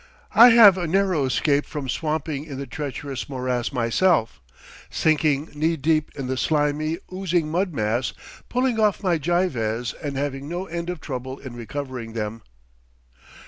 I have a narrow escape from swamping in the treacherous morass myself, sinking knee deep in the slimy, oozing mud mass, pulling off my geivehs and having no end of trouble in recovering them.